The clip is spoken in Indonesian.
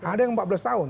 ada yang empat belas tahun